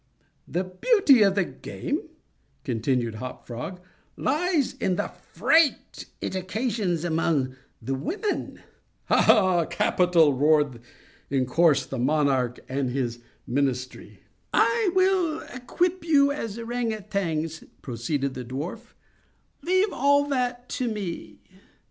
"The beauty of the game," continued Hop Frog, "lies in the fright it occasions among the women." "Capital!" roared in chorus the monarch and his ministry. "I will equip you as ourang outangs," proceeded the dwarf; "leave all that to me.